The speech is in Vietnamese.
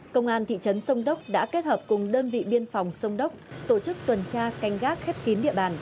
công an thị trấn sông đốc đã kết hợp cùng đơn vị biên phòng sông đốc tổ chức tuần tra canh gác khép kín địa bàn